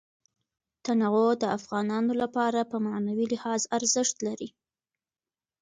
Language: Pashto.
تنوع د افغانانو لپاره په معنوي لحاظ ارزښت لري.